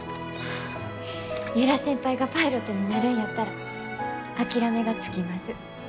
由良先輩がパイロットになるんやったら諦めがつきます。